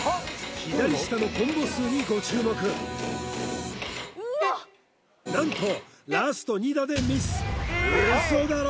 左下のコンボ数にご注目何とラスト２打でミスウソだろ